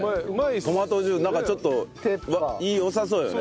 トマトジュースなんかちょっとよさそうよね。